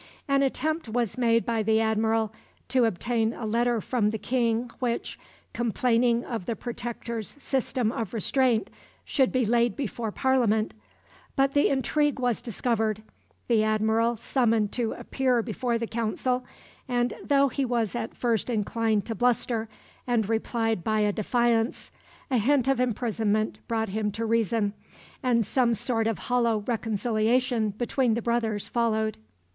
An attempt was made by the Admiral to obtain a letter from the King which, complaining of the Protector's system of restraint, should be laid before Parliament; but the intrigue was discovered, the Admiral summoned to appear before the Council, and, though he was at first inclined to bluster, and replied by a defiance, a hint of imprisonment brought him to reason, and some sort of hollow reconciliation between the brothers followed.